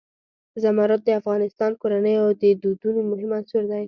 زمرد د افغان کورنیو د دودونو مهم عنصر دی.